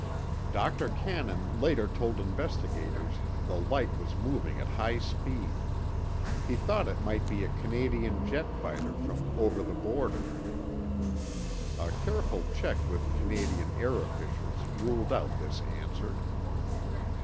Dr. Cannon later told investigators the light was moving at high speed. He thought it might be a Canadian jet fighter from over the border. (A careful check with Canadian air officials ruled out this answer.)